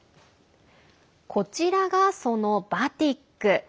こちらが、そのバティック。